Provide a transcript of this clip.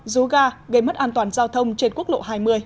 rú ga gây mất an toàn giao thông trên quốc lộ hai mươi